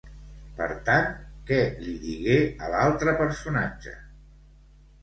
Per tant, què li digué a l'altre personatge?